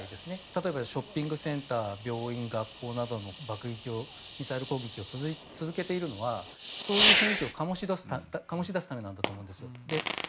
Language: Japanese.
例えばショッピングセンター病院、学校などの爆撃、ミサイル攻撃を続けているのはそういう雰囲気を醸し出すためなんだと思うんですよ。